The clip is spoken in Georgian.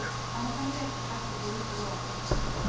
გამოცემული აქვს ცხრა სტუდიური სოლო ალბომი.